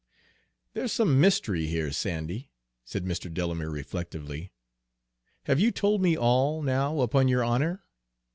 "There's some mystery here, Sandy," said Mr. Delamere reflectively. "Have you told me all, now, upon your honor?